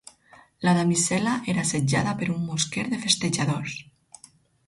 La damisel·la era assetjada per un mosquer de festejadors.